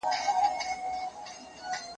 پرته له ملي ودي څخه د خلګو ژوند نه ښه کيږي.